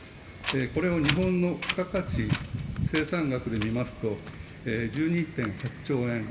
これを日本の付加価値生産額で見ますと、１２．８兆円。